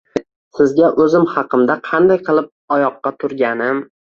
Sizga oʻzim haqimda, qanday qilib oyoqqa turganim